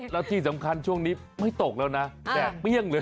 แล้วที่สำคัญช่วงนี้ไม่ตกแล้วนะแดดเปรี้ยงเลย